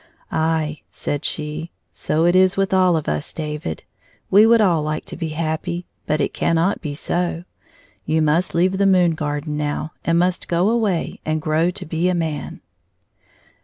"Aye," said she, " so it is with all of us, David. We would all like to be happy, but it cannot be so. You must leave the moon garden now, and must go away and grow to be a man."